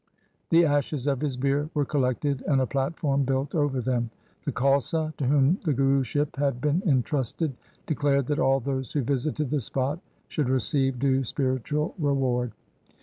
The ashes of his bier were collected and a platform built over them. The Khalsa, to whom the Guruship had been entrusted, declared that all those who visited the spot should receive due spiritual reward.